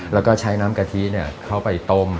แล้วก็ใช้น้ำกะทิเข้าไปต้ม